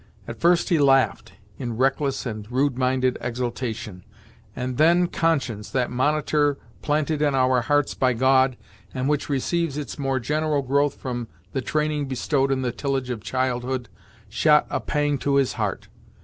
At first he laughed, in reckless and rude minded exultation; and then conscience, that monitor planted in our breasts by God, and which receives its more general growth from the training bestowed in the tillage of childhood, shot a pang to his heart.